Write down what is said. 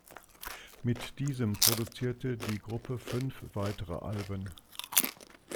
Mit diesem produzierte die Gruppe fünf weitere Alben.